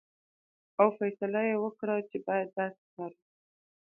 او فیصله یې وکړه چې باید داسې کار وکړي.